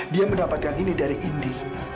dia mendapatkan ini dari indi